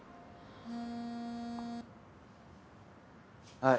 はい。